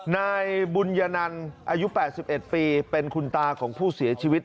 นายบุญยนันอายุ๘๑ปีเป็นคุณตาของผู้เสียชีวิต